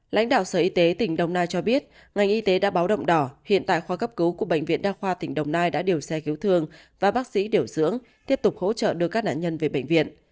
lãnh đạo sở y tế tỉnh đồng nai cho biết ngành y tế đã báo động đỏ hiện tại khoa cấp cứu của bệnh viện đa khoa tỉnh đồng nai đã điều xe cứu thương và bác sĩ điều dưỡng tiếp tục hỗ trợ đưa các nạn nhân về bệnh viện